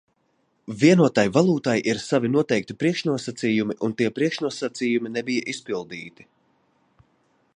Vienotai valūtai ir savi noteikti priekšnosacījumi, un tie priekšnosacījumi nebija izpildīti.